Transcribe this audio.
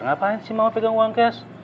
ngapain si mama pegang uang kes